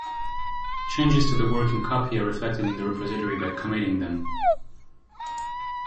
Changes to the working copy are reflected in the repository by "committing" them.